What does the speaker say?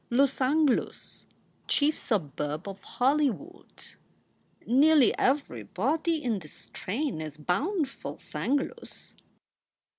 "Lussanglus chief suburb of Hollywood. Nearly every body in this strain is bound furl Sanglus."